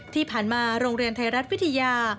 ที่ผ่านมาโรงเรียนไทยรัฐวิทยา